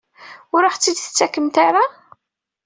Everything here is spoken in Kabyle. Ur aɣ-tt-id-tettakemt ara?